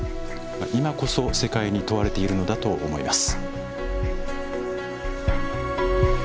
今こそ、世界に問われているのだと思います。